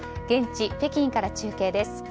現地、北京から中継です。